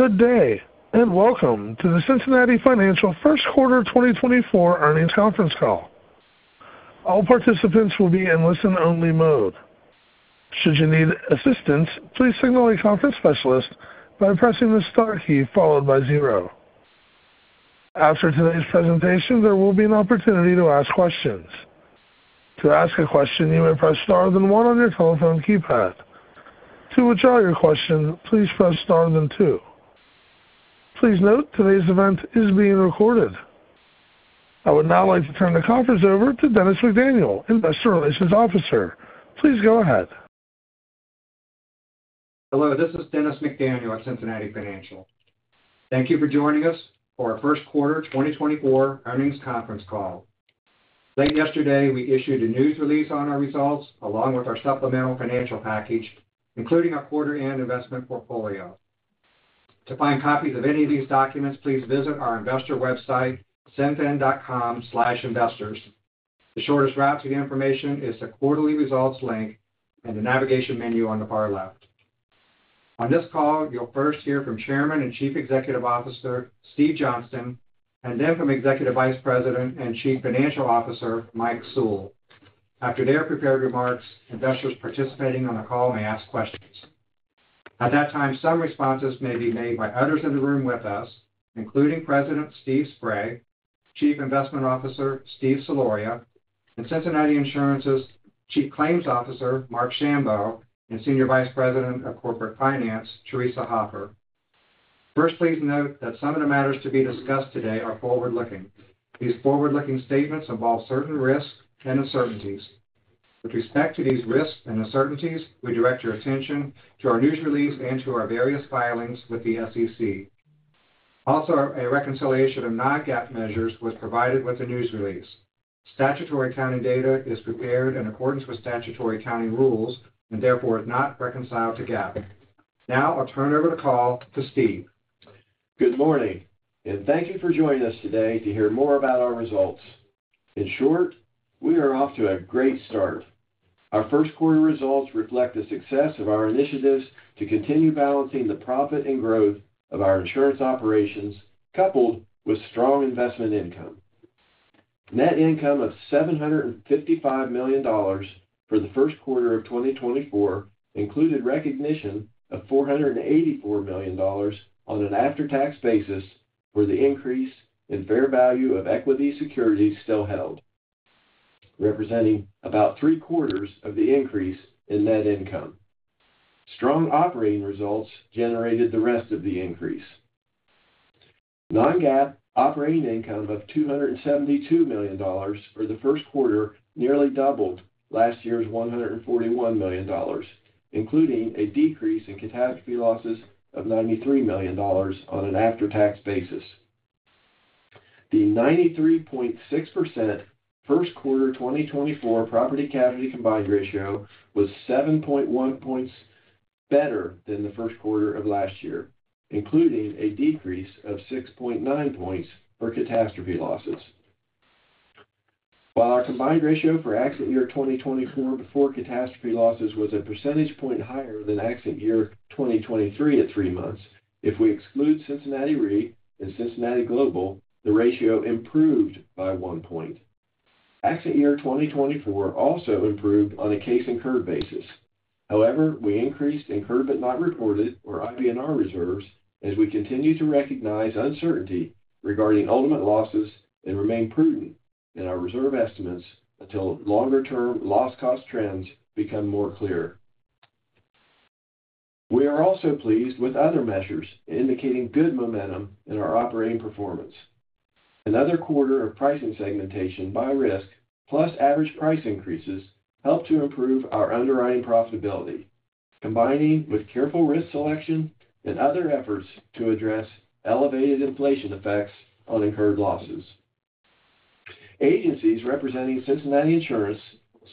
Good day, and welcome to the Cincinnati Financial first quarter 2024 Earnings Conference Call. All participants will be in listen-only mode. Should you need assistance, please signal a conference specialist by pressing the star key followed by zero. After today's presentation, there will be an opportunity to ask questions. To ask a question, you may press star then one on your telephone keypad. To withdraw your question, please press star then two. Please note, today's event is being recorded. I would now like to turn the conference over to Dennis McDaniel, Investor Relations Officer. Please go ahead. Hello, this is Dennis McDaniel at Cincinnati Financial. Thank you for joining us for our first quarter 2024 earnings conference call. Late yesterday, we issued a news release on our results, along with our supplemental financial package, including our quarter-end investment portfolio. To find copies of any of these documents, please visit our investor website, cinfin.com/investors. The shortest route to the information is the Quarterly Results link in the navigation menu on the far left. On this call, you'll first hear from Chairman and Chief Executive Officer, Steve Johnston, and then from Executive Vice President and Chief Financial Officer, Mike Sewell. After their prepared remarks, investors participating on the call may ask questions. At that time, some responses may be made by others in the room with us, including President Steve Spray, Chief Investment Officer Steve Soloria, and Cincinnati Insurance's Chief Claims Officer, Marc Schambow, and Senior Vice President of Corporate Finance, Theresa Hoffer. First, please note that some of the matters to be discussed today are forward-looking. These forward-looking statements involve certain risks and uncertainties. With respect to these risks and uncertainties, we direct your attention to our news release and to our various filings with the SEC. Also, a reconciliation of non-GAAP measures was provided with the news release. Statutory accounting data is prepared in accordance with statutory accounting rules and therefore is not reconciled to GAAP. Now, I'll turn over the call to Steve. Good morning, and thank you for joining us today to hear more about our results. In short, we are off to a great start. Our first quarter results reflect the success of our initiatives to continue balancing the profit and growth of our insurance operations, coupled with strong investment income. Net income of $755 million for the first quarter of 2024 included recognition of $484 million on an after-tax basis for the increase in fair value of equity securities still held, representing about three-quarters of the increase in net income. Strong operating results generated the rest of the increase. Non-GAAP operating income of $272 million for the first quarter nearly doubled last year's $141 million, including a decrease in catastrophe losses of $93 million on an after-tax basis. The 93.6% first quarter 2024 property casualty combined ratio was 7.1 points better than the first quarter of last year, including a decrease of 6.9 points for catastrophe losses. While our combined ratio for accident year 2024 before catastrophe losses was a percentage point higher than accident year 2023 at three months, if we exclude Cincinnati Re and Cincinnati Global, the ratio improved by 1 point. Accident year 2024 also improved on a case incurred basis. However, we increased incurred but not reported, or IBNR reserves, as we continue to recognize uncertainty regarding ultimate losses and remain prudent in our reserve estimates until longer-term loss cost trends become more clear. We are also pleased with other measures indicating good momentum in our operating performance. Another quarter of pricing segmentation by risk, plus average price increases, helped to improve our underwriting profitability, combining with careful risk selection and other efforts to address elevated inflation effects on incurred losses. Agencies representing Cincinnati Insurance,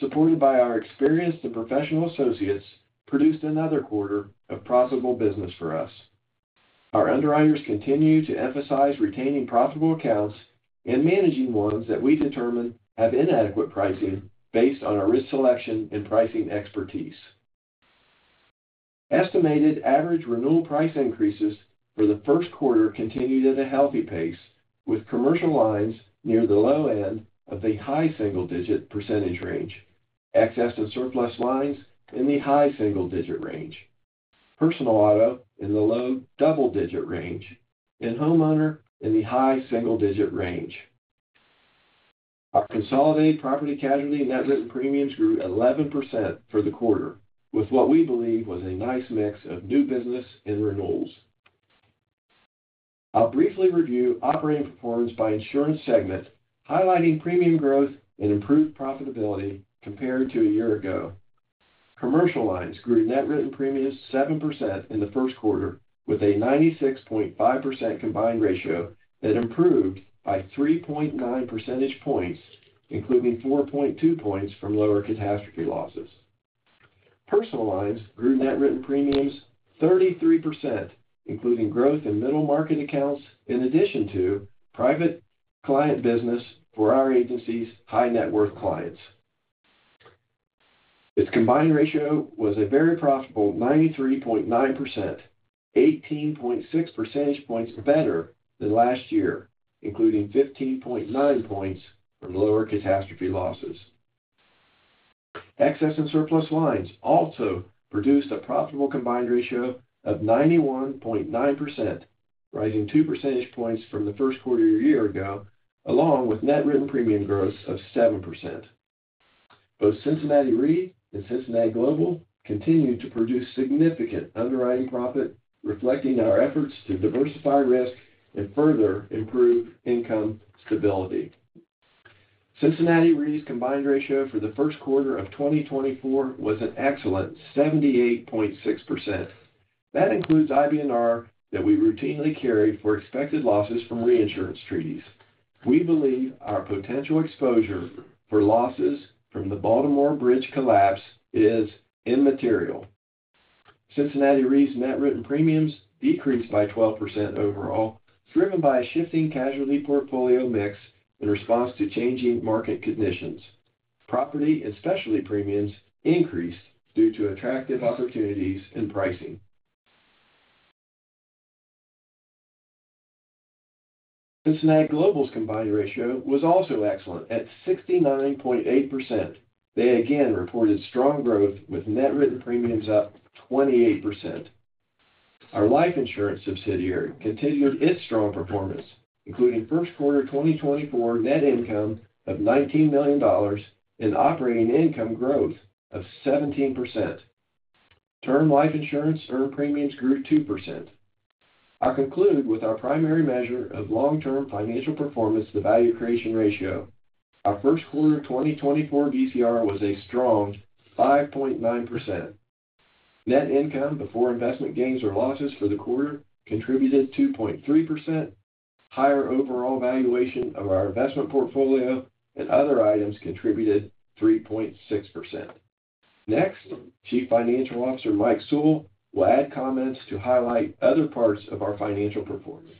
supported by our experienced and professional associates, produced another quarter of profitable business for us. Our underwriters continue to emphasize retaining profitable accounts and managing ones that we determine have inadequate pricing based on our risk selection and pricing expertise. Estimated average renewal price increases for the first quarter continued at a healthy pace, with commercial lines near the low end of a high single-digit percentage range, excess and surplus lines in the high single-digit range, personal auto in the low double-digit range, and homeowner in the high single-digit range. Our consolidated property casualty net written premiums grew 11% for the quarter, with what we believe was a nice mix of new business and renewals. I'll briefly review operating performance by insurance segment, highlighting premium growth and improved profitability compared to a year ago. Commercial lines grew net written premiums 7% in the first quarter, with a 96.5% combined ratio that improved by 3.9 percentage points, including 4.2 points from lower catastrophe losses. Personal lines grew net written premiums 33%, including growth in middle market accounts, in addition to private client business for our agency's high net worth clients, Its combined ratio was a very profitable 93.9%, 18.6 percentage points better than last year, including 15.9 points from lower catastrophe losses. Excess and surplus lines also produced a profitable combined ratio of 91.9%, rising 2 percentage points from the first quarter a year ago, along with net written premium growth of 7%. Both Cincinnati Re and Cincinnati Global continued to produce significant underwriting profit, reflecting our efforts to diversify risk and further improve income stability. Cincinnati Re's combined ratio for the first quarter of 2024 was an excellent 78.6%. That includes IBNR that we routinely carry for expected losses from reinsurance treaties. We believe our potential exposure for losses from the Baltimore bridge collapse is immaterial. Cincinnati Re's net written premiums decreased by 12% overall, driven by a shifting casualty portfolio mix in response to changing market conditions. Property and specialty premiums increased due to attractive opportunities in pricing. Cincinnati Global's combined ratio was also excellent at 69.8%. They again reported strong growth, with net written premiums up 28%. Our life insurance subsidiary continued its strong performance, including first quarter 2024 net income of $19 million and operating income growth of 17%. Term life insurance earned premiums grew 2%. I'll conclude with our primary measure of long-term financial performance, the value creation ratio. Our first quarter 2024 VCR was a strong 5.9%. Net income before investment gains or losses for the quarter contributed 2.3%. Higher overall valuation of our investment portfolio and other items contributed 3.6%. Next, Chief Financial Officer Mike Sewell will add comments to highlight other parts of our financial performance.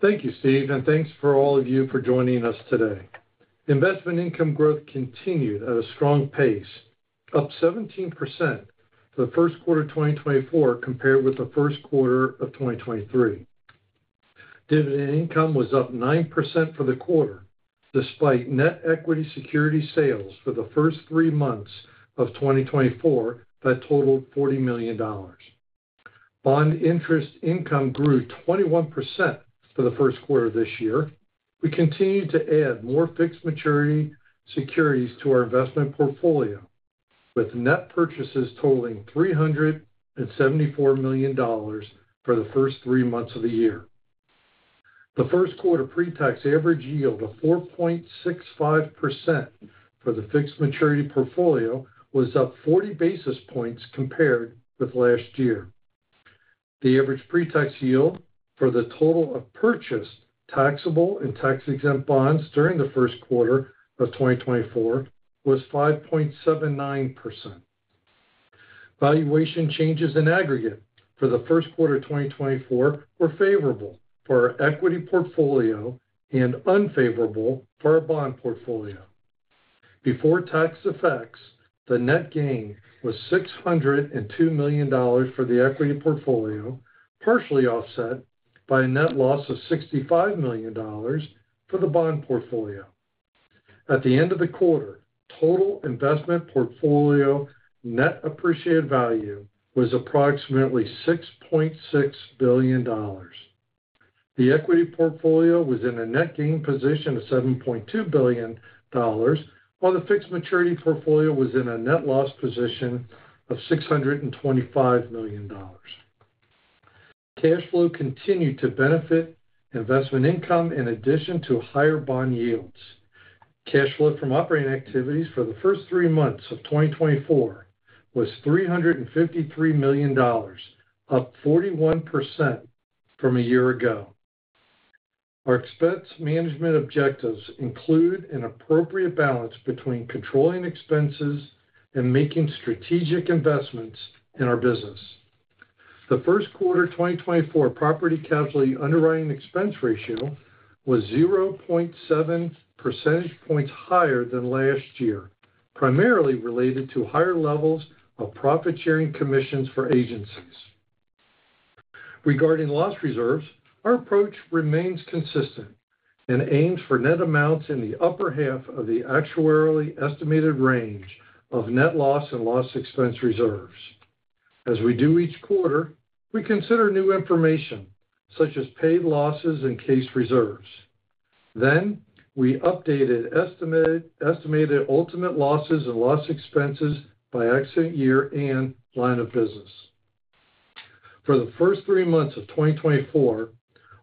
Thank you, Steve, and thanks for all of you for joining us today. Investment income growth continued at a strong pace, up 17% for the first quarter of 2024 compared with the first quarter of 2023. Dividend income was up 9% for the quarter, despite net equity security sales for the first three months of 2024 that totaled $40 million. Bond interest income grew 21% for the first quarter this year. We continued to add more fixed maturity securities to our investment portfolio, with net purchases totaling $374 million for the first three months of the year. The first quarter pre-tax average yield of 4.65% for the fixed maturity portfolio was up 40 basis points compared with last year. The average pre-tax yield for the total of purchased taxable and tax-exempt bonds during the first quarter of 2024 was 5.79%. Valuation changes in aggregate for the first quarter of 2024 were favorable for our equity portfolio and unfavorable for our bond portfolio. Before tax effects, the net gain was $602 million for the equity portfolio, partially offset by a net loss of $65 million for the bond portfolio. At the end of the quarter, total investment portfolio net appreciated value was approximately $6.6 billion. The equity portfolio was in a net gain position of $7.2 billion, while the fixed maturity portfolio was in a net loss position of $625 million. Cash flow continued to benefit investment income in addition to higher bond yields. Cash flow from operating activities for the first three months of 2024 was $353 million, up 41% from a year ago. Our expense management objectives include an appropriate balance between controlling expenses and making strategic investments in our business. The first quarter of 2024 property casualty underwriting expense ratio was 0.7 percentage points higher than last year, primarily related to higher levels of profit-sharing commissions for agencies. Regarding loss reserves, our approach remains consistent and aims for net amounts in the upper half of the actuarially estimated range of net loss and loss expense reserves. As we do each quarter, we consider new information, such as paid losses and case reserves. Then, we updated estimated ultimate losses and loss expenses by accident year and line of business. For the first three months of 2024,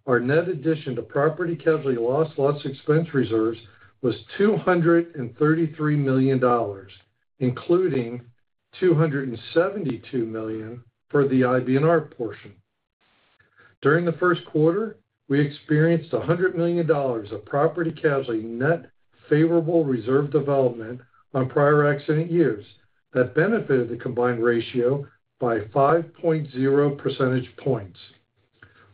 our net addition to property casualty loss, loss expense reserves was $233 million, including $272 million for the IBNR portion. During the first quarter, we experienced $100 million of property casualty net favorable reserve development on prior accident years. That benefited the combined ratio by 5.0 percentage points,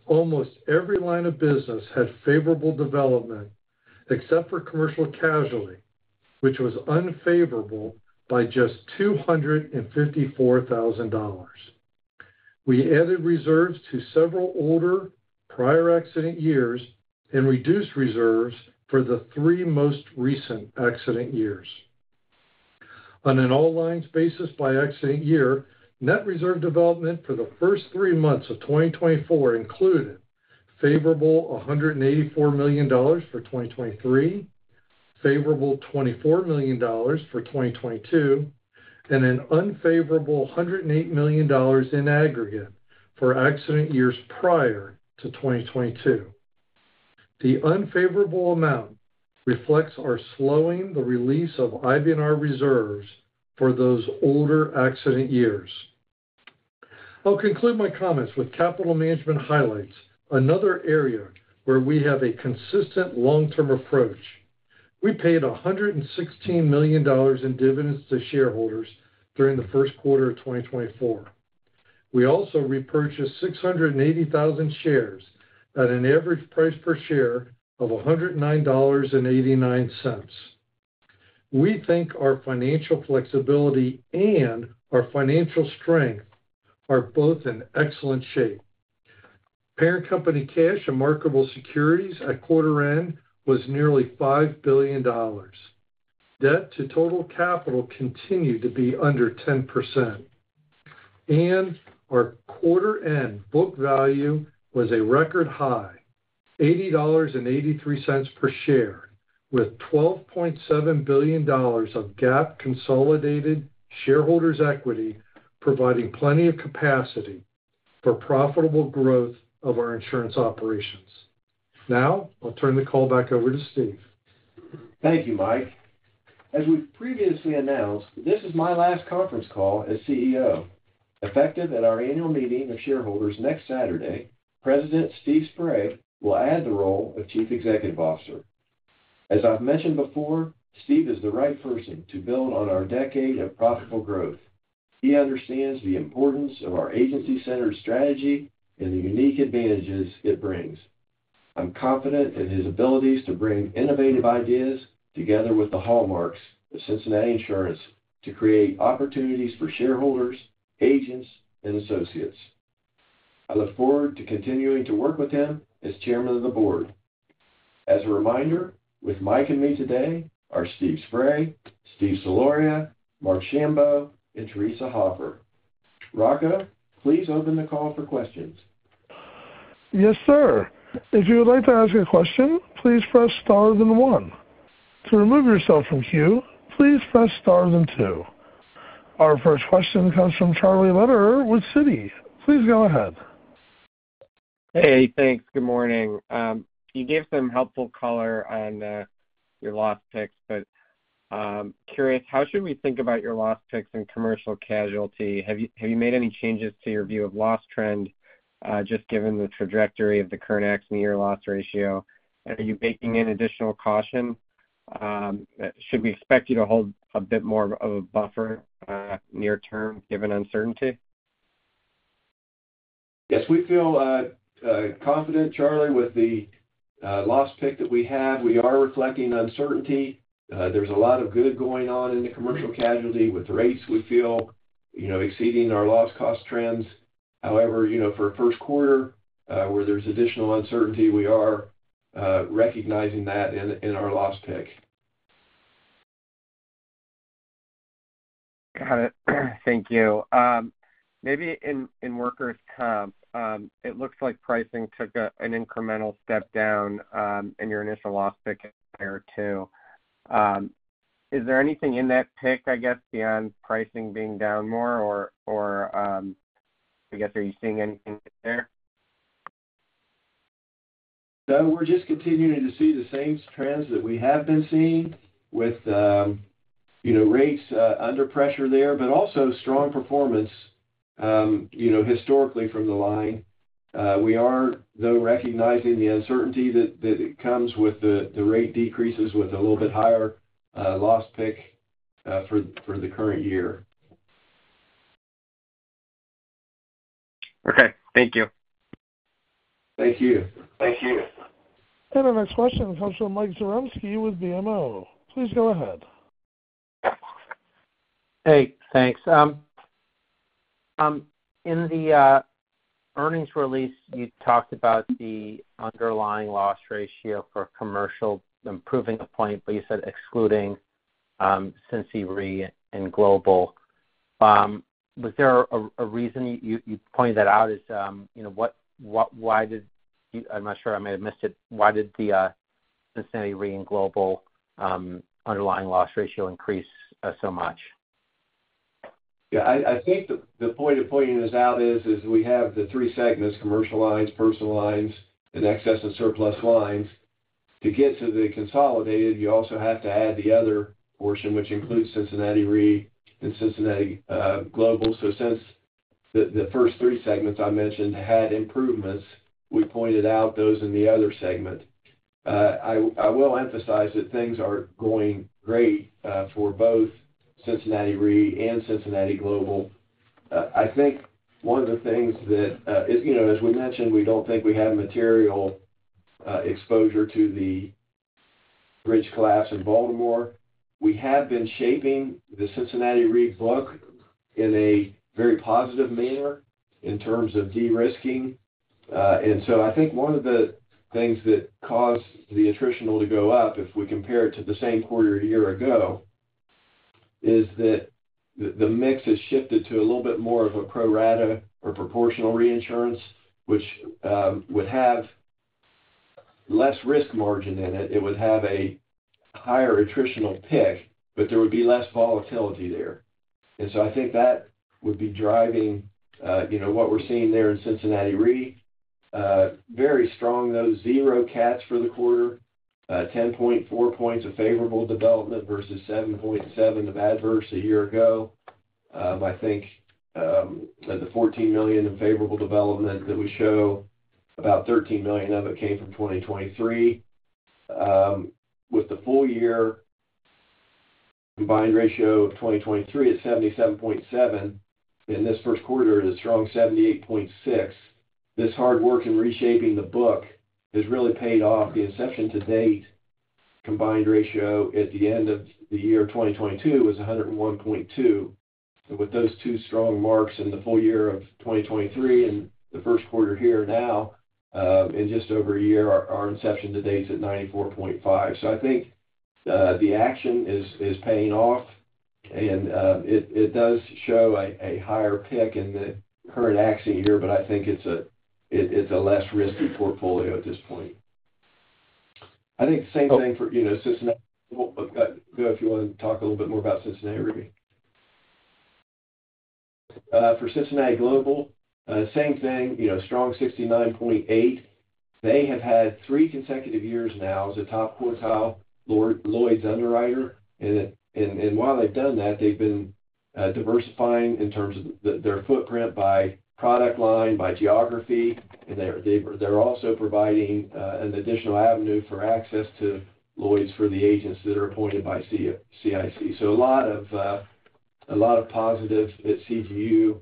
Almost every line of business had favorable development, except for commercial casualty, which was unfavorable by just $254,000. We added reserves to several older prior accident years and reduced reserves for the three most recent accident years. On an all lines basis by accident year, net reserve development for the first three months of 2024 included favorable $184 million for 2023, favorable $24 million for 2022, and an unfavorable $108 million in aggregate for accident years prior to 2022. The unfavorable amount reflects our slowing the release of IBNR reserves for those older accident years. I'll conclude my comments with capital management highlights, another area where we have a consistent long-term approach. We paid $116 million in dividends to shareholders during the first quarter of 2024. We also repurchased 680,000 shares at an average price per share of $109.89. We think our financial flexibility and our financial strength are both in excellent shape. Parent company cash and marketable securities at quarter end was nearly $5 billion. Debt to total capital continued to be under 10%, and our quarter end book value was a record high, $80.83 per share, with $12.7 billion of GAAP consolidated shareholders' equity, providing plenty of capacity for profitable growth of our insurance operations. Now, I'll turn the call back over to Steve. Thank you, Mike. As we've previously announced, this is my last conference call as CEO. Effective at our annual meeting of shareholders next Saturday, President Steve Spray will add the role of Chief Executive Officer. As I've mentioned before, Steve is the right person to build on our decade of profitable growth. He understands the importance of our agency-centered strategy and the unique advantages it brings. I'm confident in his abilities to bring innovative ideas together with the hallmarks of Cincinnati Insurance to create opportunities for shareholders, agents, and associates. I look forward to continuing to work with him as chairman of the board. As a reminder, with Mike and me today are Steve Spray, Steve Soloria, Marc Schambow, and Theresa Hoffer. Raka, please open the call for questions. Yes, sir. If you would like to ask a question, please press star then one. To remove yourself from queue, please press star then two. Our first question comes from Charlie Lederer with Citi. Please go ahead. Hey, thanks. Good morning. You gave some helpful color on your loss picks, but curious, how should we think about your loss picks in Commercial Casualty? Have you made any changes to your view of loss trend, just given the trajectory of the current ex-year loss ratio? Are you baking in additional caution? Should we expect you to hold a bit more of a buffer near term, given uncertainty? Yes, we feel confident, Charlie, with the loss pick that we have. We are reflecting uncertainty. There's a lot of good going on in the commercial casualty with rates, we feel, you know, exceeding our loss cost trends. However, you know, for a first quarter where there's additional uncertainty, we are recognizing that in our loss pick. Got it. Thank you. Maybe in workers' comp, it looks like pricing took an incremental step down in your initial loss pick there, too. Is there anything in that pick, I guess, beyond pricing being down more? Or, I guess, are you seeing anything there? No, we're just continuing to see the same trends that we have been seeing with, you know, rates under pressure there, but also strong performance, you know, historically from the line. We are, though, recognizing the uncertainty that it comes with the rate decreases with a little bit higher loss pick for the current year. Okay. Thank you. Thank you. Thank you. Our next question comes from Mike Zaremski with BMO. Please go ahead. Hey, thanks. In the earnings release, you talked about the underlying loss ratio for commercial improving a point, but you said excluding Cincinnati Re and Global. Was there a reason you pointed that out? You know, why did, I'm not sure, I may have missed it, why did the Cincinnati Re and Global underlying loss ratio increase so much? Yeah, I think the point of pointing this out is we have the three segments, Commercial Lines, Personal Lines, and Excess and Surplus Lines. To get to the consolidated, you also have to add the other portion, which includes Cincinnati Re and Cincinnati Global. So since the first three segments I mentioned had improvements, we pointed out those in the other segment. I will emphasize that things are going great for both Cincinnati Re and Cincinnati Global. I think one of the things that is, you know, as we mentioned, we don't think we have material exposure to the bridge collapse in Baltimore. We have been shaping the Cincinnati Re book in a very positive manner in terms of de-risking. And so I think one of the things that caused the attritional to go up, if we compare it to the same quarter a year ago, is that the mix has shifted to a little bit more of a pro rata or proportional reinsurance, which would have less risk margin in it. It would have a higher attritional pick, but there would be less volatility there. And so I think that would be driving, you know, what we're seeing there in Cincinnati Re. Very strong, though, zero cats for the quarter, 10.4 points of favorable development versus 7.7 of adverse a year ago. I think the $14 million in favorable development that we show, about $13 million of it came from 2023. With the full-year combined ratio of 2023 at 77.7, in this first quarter, it is strong 78.6. This hard work in reshaping the book has really paid off. The inception to date combined ratio at the end of the year 2022 was 101.2. With those two strong marks in the full-year of 2023 and the first quarter here now, in just over a year, our inception to date is at 94.5. So I think the action is paying off, and it does show a higher pick in the current accident year, but I think it's a less risky portfolio at this point. I think the same thing for, you know, Cincinnati. Well, go if you want to talk a little bit more about Cincinnati Re. For Cincinnati Global, same thing, you know, strong 69.8. They have had three consecutive years now as a top quartile Lloyd's underwriter, and while they've done that, they've been diversifying in terms of their footprint by product line, by geography, and they're also providing an additional avenue for access to Lloyd's for the agents that are appointed by CIC. So a lot of positives at CGU,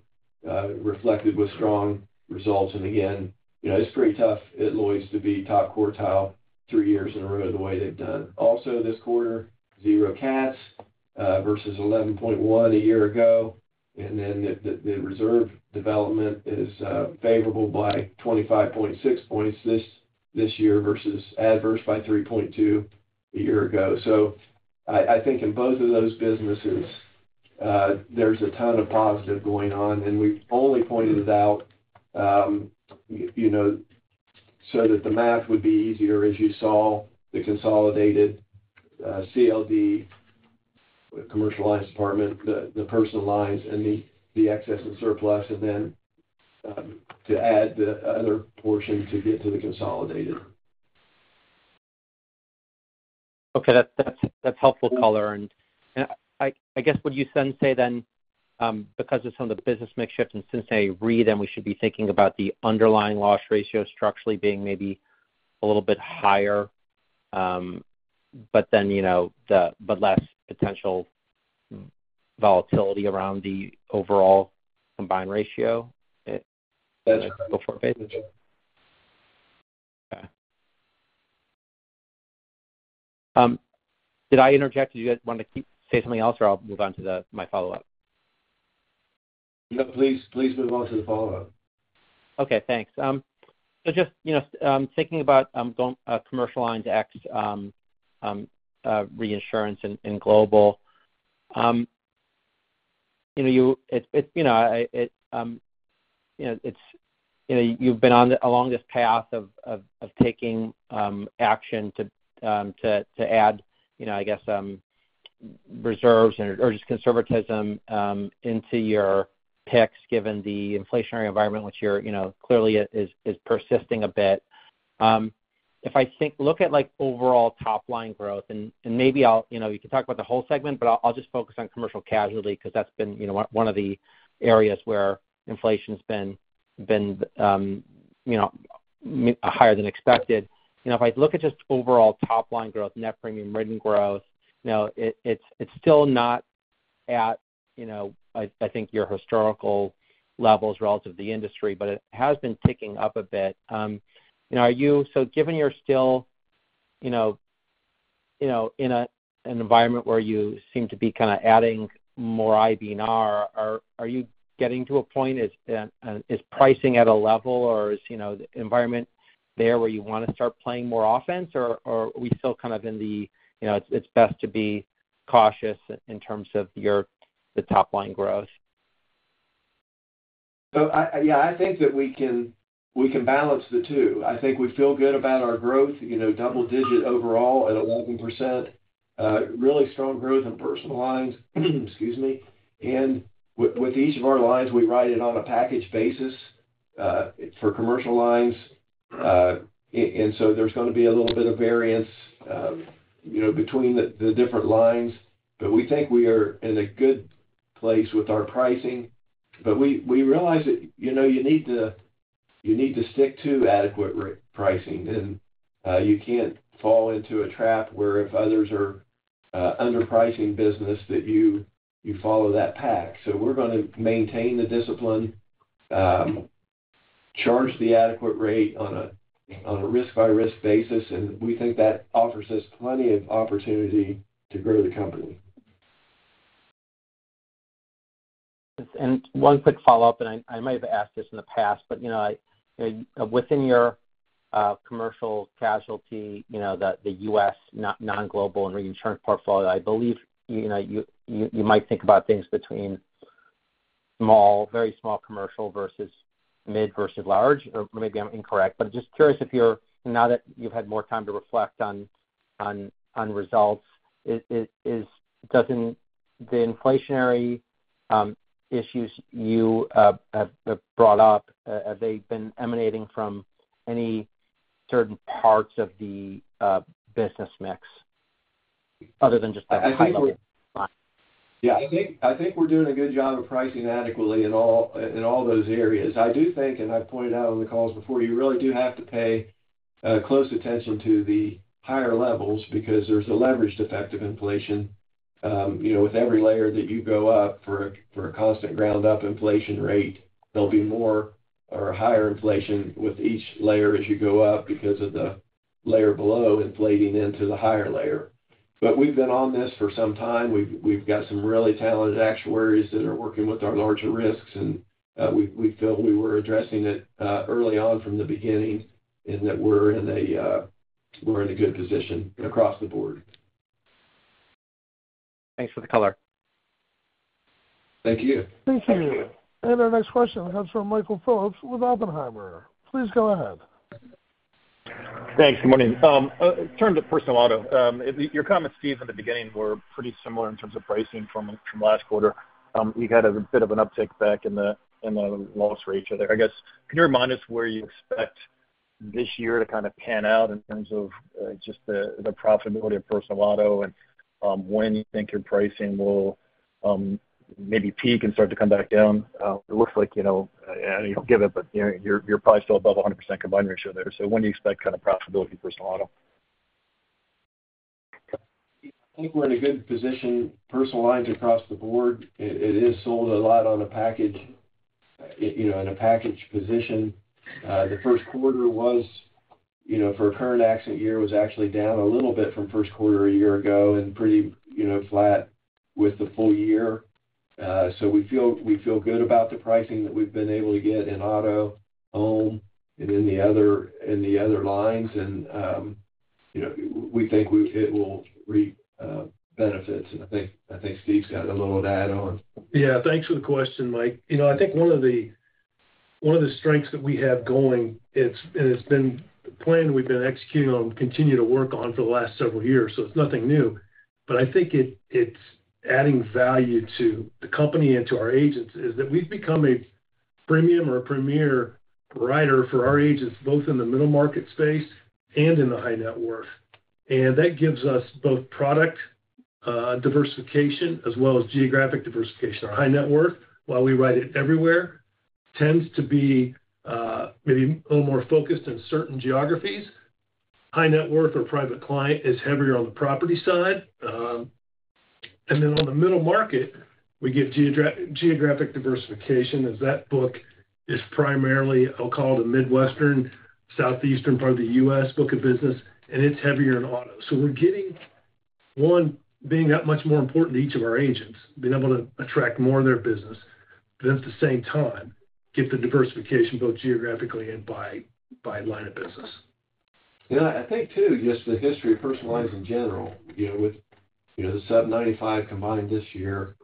reflected with strong results. And again, you know, it's pretty tough at Lloyd's to be top quartile three years in a row, the way they've done. Also, this quarter, zero cats versus 11.1 a year ago, and then the reserve development is favorable by 25.6 points this year versus adverse by 3.2 a year ago. So I think in both of those businesses, there's a ton of positive going on, and we've only pointed it out, you know, so that the math would be easier, as you saw the consolidated CLD, Commercial Lines Department, the personal lines, and the excess and surplus, and then to add the other portion to get to the consolidated. Okay, that's helpful color. And I guess, would you then say, because of some of the business mix shift in Cincinnati Re, then we should be thinking about the underlying loss ratio structurally being maybe a little bit higher, but then, you know, but less potential volatility around the overall combined ratio? That's correct. Okay. Did I interject? Did you guys want to keep, say something else, or I'll move on to the, my follow-up? No, please, please move on to the follow-up. Okay, thanks. So just, you know, thinking about going commercial lines X reinsurance in global. You know, you've been along this path of taking action to add, you know, I guess, reserves or just conservatism into your picks, given the inflationary environment, which you're, you know, clearly is persisting a bit. If I look at, like, overall top-line growth, and maybe I'll, You know, you can talk about the whole segment, but I'll just focus on commercial casualty, because that's been, you know, one of the areas where inflation's been, you know, higher than expected. You know, if I look at just overall top-line growth, net premiums written growth, you know, it's still not at, you know, I think your historical levels relative to the industry, but it has been ticking up a bit. You know, so given you're still, you know, in an environment where you seem to be kind of adding more IBNR, are you getting to a point, is pricing at a level, or is, you know, the environment there where you want to start playing more offense, or are we still kind of in the, you know, it's best to be cautious in terms of your top-line growth? So yeah, I think that we can balance the two. I think we feel good about our growth, you know, double digit overall at 11%. Really strong growth in Personal Lines. Excuse me. And with each of our lines, we write it on a package basis for Commercial Lines. And so there's gonna be a little bit of variance, you know, between the different lines. But we think we are in a good place with our pricing. But we realize that, you know, you need to stick to adequate rate pricing, and you can't fall into a trap where if others are underpricing business, that you follow that pack. So we're gonna maintain the discipline, charge the adequate rate on a risk-by-risk basis, and we think that offers us plenty of opportunity to grow the company. And one quick follow-up, and I might have asked this in the past, but, you know, within your Commercial Casualty, you know, the U.S., non-global and reinsurance portfolio, I believe, you know, you might think about things between small, very small commercial versus mid versus large, or maybe I'm incorrect. But just curious if, now that you've had more time to reflect on results, does the inflationary issues you have brought up have they been emanating from any certain parts of the business mix other than just the high level? Yeah. I think, I think we're doing a good job of pricing adequately in all, in all those areas. I do think, and I've pointed out on the calls before, you really do have to pay close attention to the higher levels because there's a leveraged effect of inflation. You know, with every layer that you go up for a constant ground-up inflation rate, there'll be more or higher inflation with each layer as you go up because of the layer below inflating into the higher layer. But we've been on this for some time. We've, we've got some really talented actuaries that are working with our larger risks, and we, we felt we were addressing it early on from the beginning, and that we're in a good position across the board. Thanks for the color. Thank you. Thank you. Our next question comes from Michael Phillips with Oppenheimer. Please go ahead. Thanks. Good morning. Turn to personal auto. Your comments, Steve, in the beginning, were pretty similar in terms of pricing from, from last quarter. You had a bit of an uptick back in the, in the loss ratio there. I guess, can you remind us where you expect this year to kind of pan out in terms of, just the, the profitability of personal auto, and, when you think your pricing will, maybe peak and start to come back down? It looks like, you know, I know you don't give it, but, you know, you're, you're probably still above 100% combined ratio there. So when do you expect kind of profitability personal auto? I think we're in a good position, personal lines across the board. It is sold a lot on a package, you know, in a package position. The first quarter was, you know, for a current accident year, was actually down a little bit from first quarter a year ago, and pretty, you know, flat with the full-year. So we feel good about the pricing that we've been able to get in auto, home, and in the other lines. And, you know, we think it will reap benefits. I think Steve's got a little to add on. Yeah, thanks for the question, Mike. You know, I think one of the, one of the strengths that we have going, it's, and it's been a plan we've been executing on, continue to work on for the last several years, so it's nothing new. But I think it, it's adding value to the company and to our agents, is that we've become a premium or a premier writer for our agents, both in the middle market space and in the high net worth. And that gives us both product diversification as well as geographic diversification. Our high net worth, while we write it everywhere, tends to be maybe a little more focused in certain geographies. High net worth or private client is heavier on the property side. And then on the middle market, we get geographic diversification, as that book is primarily, I'll call it, a Midwestern, Southeastern part of the U.S. book of business, and it's heavier in auto. So we're getting, one, being that much more important to each of our agents, being able to attract more of their business, but at the same time, get the diversification both geographically and by line of business. Yeah, I think, too, just the history of personal lines in general, you know, with, you know, the sub-95 combined this year.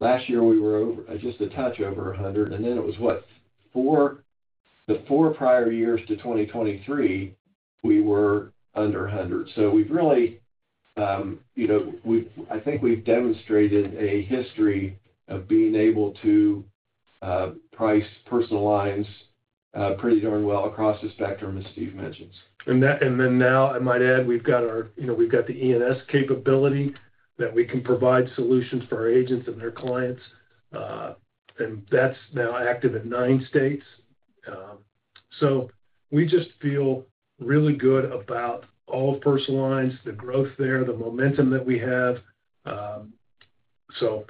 Last year, we were over, just a touch over 100, and then it was, what? The four prior years to 2023, we were under 100. So we've really, you know, we've, I think we've demonstrated a history of being able to price personal lines pretty darn well across the spectrum, as Steve mentions. I might add, we've got our, you know, we've got the E&S capability that we can provide solutions for our agents and their clients, and that's now active in nine states. So we just feel really good about all personal lines, the growth there, the momentum that we have. So,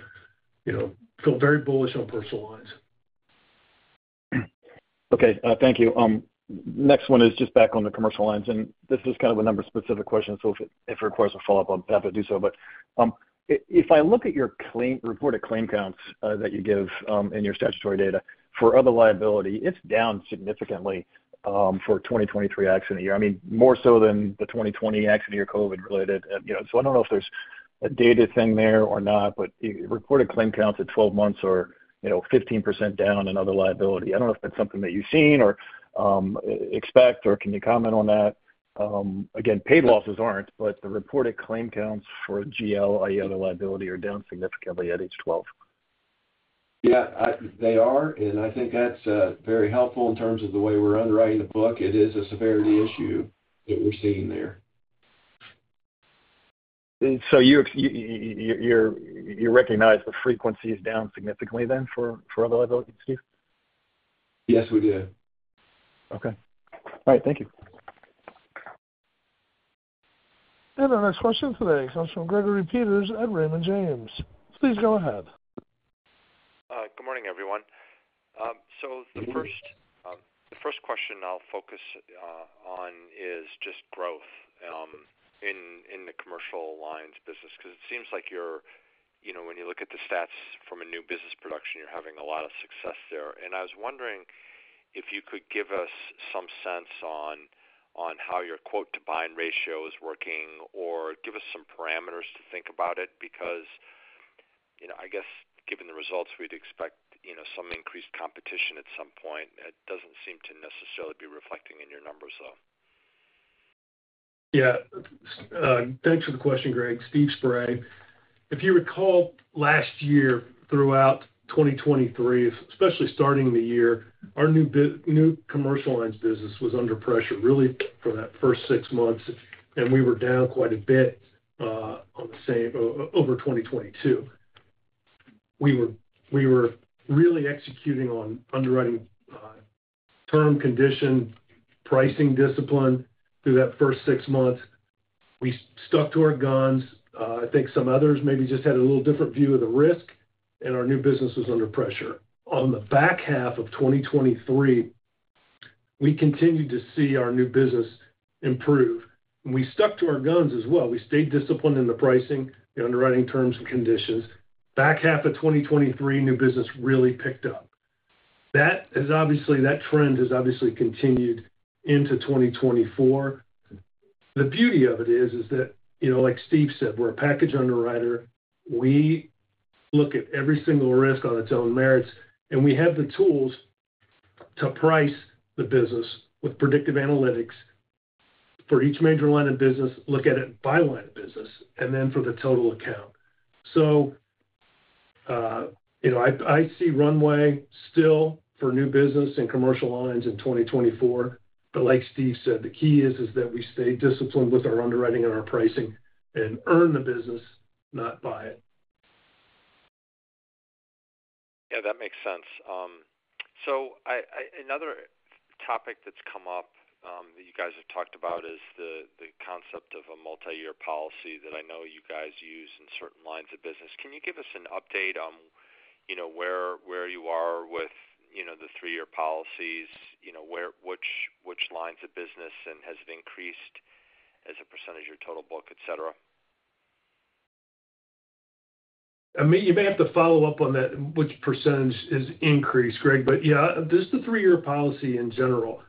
you know, feel very bullish on personal lines. Okay, thank you. Next one is just back on the Commercial Lines, and this is kind of a number-specific question, so if it requires a follow-up, I'm happy to do so. But, if I look at your reported claim counts that you give in your statutory data for other liability, it's down significantly for 2023 Accident Year. I mean, more so than the 2020 Accident Year COVID-related. You know, so I don't know if there's a data thing there or not, but your reported claim counts at 12 months are, you know, 15% down in other liability. I don't know if that's something that you've seen or expect, or can you comment on that? Again, paid losses aren't, but the reported claim counts for GL, I, other liability are down significantly at age 12. Yeah, they are, and I think that's very helpful in terms of the way we're underwriting the book. It is a severity issue that we're seeing there. So you recognize the frequency is down significantly then for other liabilities, Steve? Yes, we do. Okay. All right. Thank you. Our next question today comes from Gregory Peters at Raymond James. Please go ahead. Good morning, everyone. So the first question I'll focus on is just growth in the commercial lines business, because it seems like you're, you know, when you look at the stats from a new business production, you're having a lot of success there. And I was wondering if you could give us some sense on how your quote-to-bind ratio is working, or give us some parameters to think about it, because, you know, I guess, given the results, we'd expect, you know, some increased competition at some point, and it doesn't seem to necessarily be reflecting in your numbers, so. Yeah. Thanks for the question, Greg. Steve Spray. If you recall last year, throughout 2023, especially starting the year, our new commercial lines business was under pressure, really for that first six months, and we were down quite a bit on the same over 2022. We were really executing on underwriting terms and conditions, pricing discipline through that first six months. We stuck to our guns. I think some others maybe just had a little different view of the risk, and our new business was under pressure. On the back half of 2023, we continued to see our new business improve, and we stuck to our guns as well. We stayed disciplined in the pricing, the underwriting terms and conditions. Back half of 2023, new business really picked up. That is obviously, that trend has obviously continued into 2024. The beauty of it is that, you know, like Steve said, we're a package underwriter. We look at every single risk on its own merits, and we have the tools to price the business with predictive analytics for each major line of business, look at it by line of business, and then for the total account. So, you know, I see runway still for new business and commercial lines in 2024, but like Steve said, the key is that we stay disciplined with our underwriting and our pricing and earn the business, not buy it. Yeah, that makes sense. So another topic that's come up that you guys have talked about is the concept of a multiyear policy that I know you guys use in certain lines of business. Can you give us an update on, you know, where you are with, you know, the three-year policies, you know, where which lines of business, and has it increased as a percentage of your total book, etc? I mean, you may have to follow up on that, which percentage has increased, Greg, but yeah, just the three-year policy in general.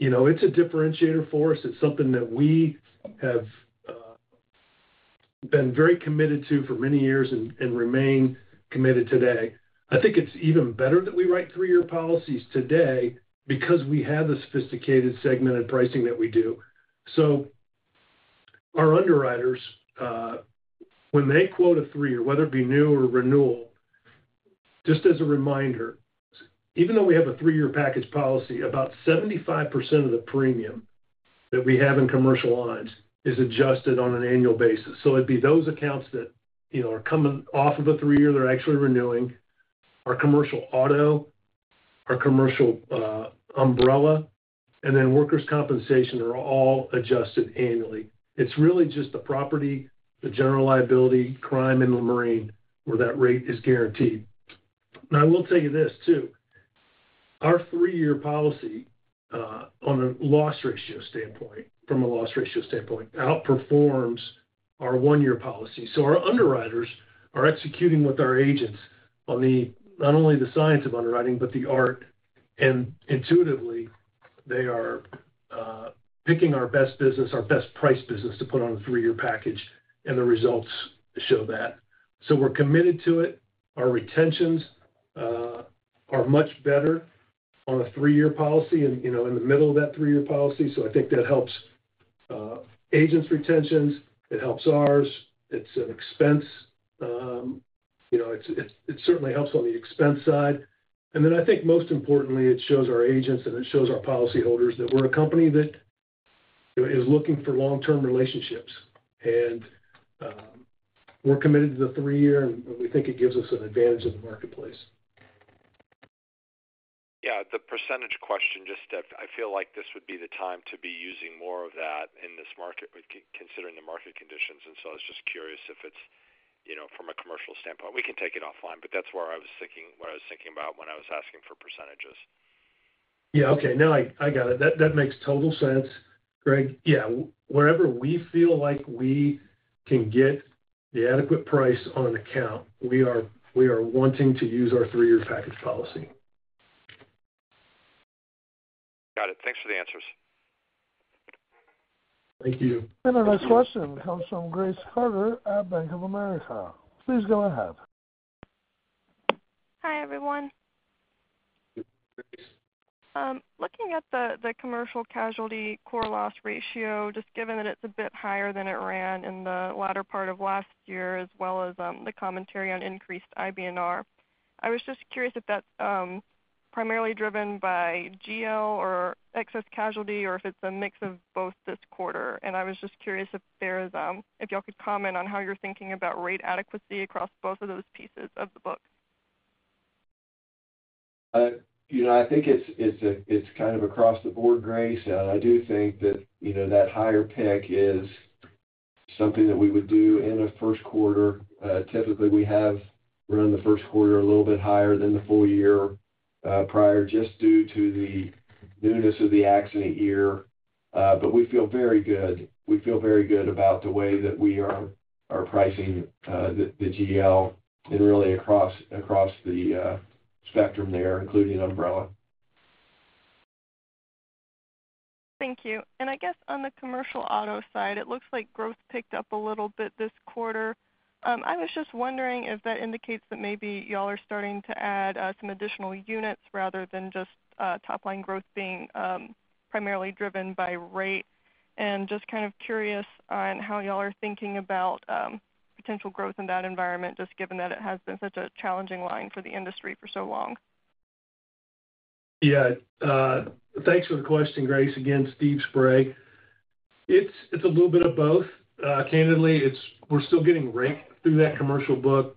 You know, it's a differentiator for us. It's something that we have, been very committed to for many years and, and remain committed today. I think it's even better that we write three-year policies today because we have the sophisticated segmented pricing that we do. So our underwriters, when they quote a three, whether it be new or renewal, just as a reminder, even though we have a three-year package policy, about 75% of the premium that we have in commercial lines is adjusted on an annual basis. So it'd be those accounts that, you know, are coming off of a three-year, they're actually renewing. Our commercial auto, our commercial umbrella, and then workers' compensation are all adjusted annually. It's really just the property, the general liability, crime, and the marine, where that rate is guaranteed. I will tell you this, too. Our three year policy, on a loss ratio standpoint, from a loss ratio standpoint, outperforms our one year policy. So our underwriters are executing with our agents on the, not only the science of underwriting, but the art, and intuitively, they are, picking our best business, our best priced business to put on a three year package, and the results show that. So we're committed to it. Our retentions are much better on a three year policy and, you know, in the middle of that three year policy, so I think that helps, agents' retentions, it helps ours, it's an expense. You know, it certainly helps on the expense side. Then I think most importantly, it shows our agents and it shows our policyholders that we're a company that, you know, is looking for long-term relationships. We're committed to the three year, and we think it gives us an advantage in the marketplace. Yeah, the percentage question, just that I feel like this would be the time to be using more of that in this market, considering the market conditions. And so I was just curious if it's, you know, from a commercial standpoint. We can take it offline, but that's where I was thinking, what I was thinking about when I was asking for percentages. Yeah, okay. No, I got it. That makes total sense, Greg. Yeah, wherever we feel like we can get the adequate price on an account, we are wanting to use our three year package policy. Got it. Thanks for the answers. Thank you. Our next question comes from Grace Carter at Bank of America. Please go ahead. Hi, everyone. Hi, Grace. Looking at the commercial casualty core loss ratio, just given that it's a bit higher than it ran in the latter part of last year, as well as the commentary on increased IBNR. I was just curious if that's primarily driven by GL or excess casualty, or if it's a mix of both this quarter. And I was just curious if there's if y'all could comment on how you're thinking about rate adequacy across both of those pieces of the book. You know, I think it's kind of across the board, Grace. I do think that, you know, that higher PIC is something that we would do in a first quarter. Typically, we have run the first quarter a little bit higher than the full-year prior, just due to the newness of the accident year. But we feel very good. We feel very good about the way that we are pricing the GL and really across the spectrum there, including Umbrella. Thank you. I guess on the Commercial Auto side, it looks like growth picked up a little bit this quarter. I was just wondering if that indicates that maybe y'all are starting to add some additional units rather than just top-line growth being primarily driven by rate. Just kind of curious on how y'all are thinking about potential growth in that environment, just given that it has been such a challenging line for the industry for so long. Yeah. Thanks for the question, Grace. Again, Steve Spray. It's a little bit of both. Candidly, it's, we're still getting rate through that commercial book,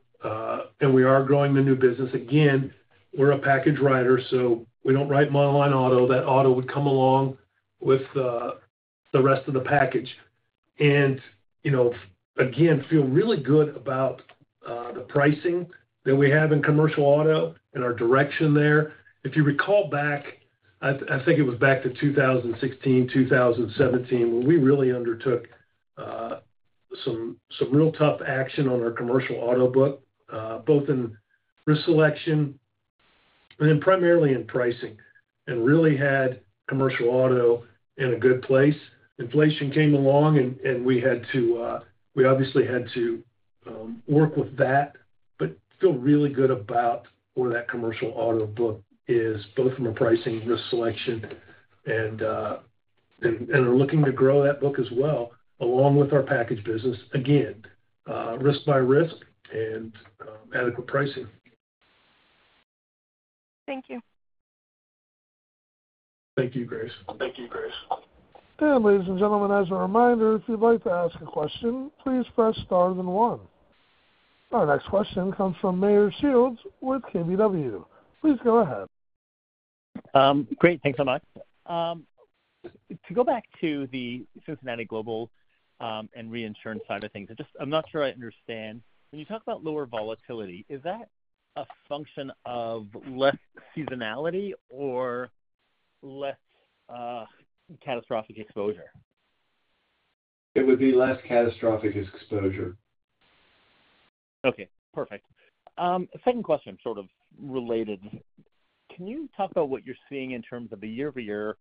and we are growing the new business. Again, we're a package writer, so we don't write monoline auto. That auto would come along with the rest of the package. You know, again, feel really good about the pricing that we have in commercial auto and our direction there. If you recall back, I think it was back to 2016, 2017, when we really undertook some real tough action on our commercial auto book, both in risk selection and then primarily in pricing, and really had commercial auto in a good place. Inflation came along and we had to, we obviously had to, work with that, but feel really good about where that commercial auto book is, both from a pricing and risk selection, and we're looking to grow that book as well, along with our package business. Again, risk by risk and adequate pricing. Thank you. Thank you, Grace. Thank you, Grace. Ladies and gentlemen, as a reminder, if you'd like to ask a question, please press star then one. Our next question comes from Meyer Shields with KBW. Please go ahead. Great, thanks so much. To go back to the Cincinnati Global, and reinsurance side of things, I just, I'm not sure I understand. When you talk about lower volatility, is that a function of less seasonality or less, catastrophic exposure? It would be less catastrophic exposure. Okay, perfect. Second question, sort of related. Can you talk about what you're seeing in terms of the year-over-year,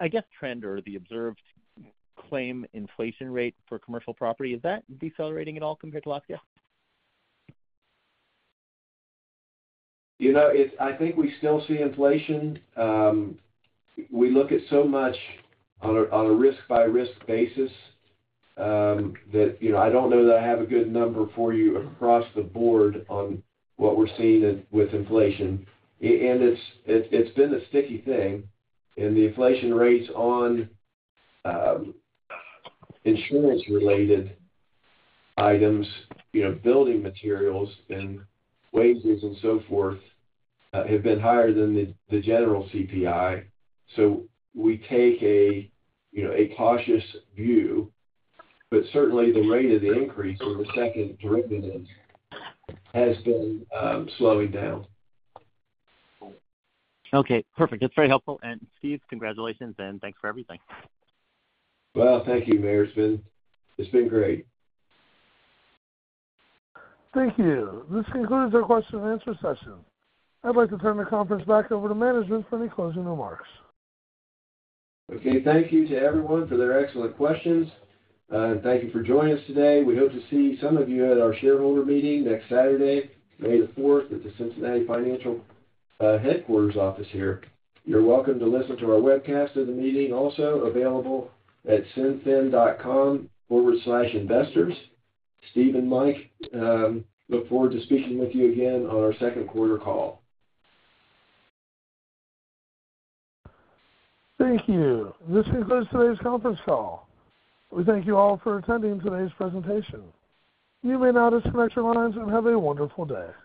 I guess, trend or the observed claim inflation rate for commercial property? Is that decelerating at all compared to last year? You know, it's. I think we still see inflation. We look at so much on a risk-by-risk basis that, you know, I don't know that I have a good number for you across the board on what we're seeing in with inflation. And it's been a sticky thing, and the inflation rates on insurance-related items, you know, building materials and wages and so forth, have been higher than the general CPI. So we take, you know, a cautious view, but certainly the rate of the increase or the second derivative has been slowing down. Okay, perfect. That's very helpful. Steve, congratulations, and thanks for everything. Well, thank you, Meyer. It's been, it's been great. Thank you. This concludes our question and answer session. I'd like to turn the conference back over to management for any closing remarks. Okay, thank you to everyone for their excellent questions, and thank you for joining us today. We hope to see some of you at our shareholder meeting next Saturday, May the fourth, at the Cincinnati Financial headquarters office here. You're welcome to listen to our webcast of the meeting, also available at cinfin.com/investors. Steve and Mike look forward to speaking with you again on our second quarter call. Thank you. This concludes today's conference call. We thank you all for attending today's presentation. You may now disconnect your lines, and have a wonderful day.